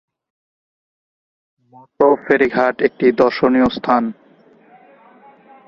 মতলব ferry ghat একটি দর্শনীয় স্থান।